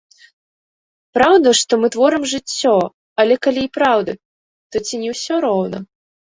Праўда, што мы творым жыццё, але калі і праўда, то ці не ўсё роўна?